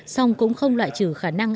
song cũng không loại trừ khả năng